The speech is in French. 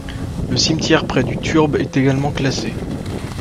Le cimetière près du turbe est également classé.